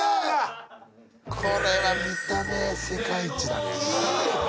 これは見た目世界一だねいい！